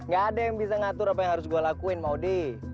gak ada yang bisa ngatur apa yang harus gue lakuin mau di